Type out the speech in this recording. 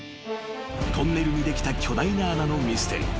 ［トンネルにできた巨大な穴のミステリー］